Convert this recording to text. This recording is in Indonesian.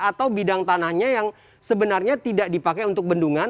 atau bidang tanahnya yang sebenarnya tidak dipakai untuk bendungan